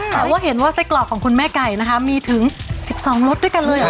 แต่ว่าเห็นว่าไส้กรอกของคุณแม่ไก่นะคะมีถึง๑๒รสด้วยกันเลย